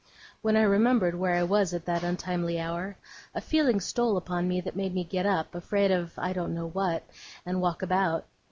When I remembered where I was at that untimely hour, a feeling stole upon me that made me get up, afraid of I don't know what, and walk about.